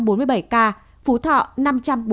phú thọ năm trăm bốn mươi năm ca